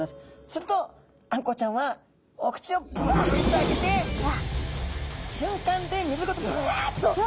するとあんこうちゃんはお口をブワッと開けてしゅんかんで水ごとブワッと。